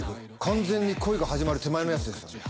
完全に恋が始まる手前のやつですよね。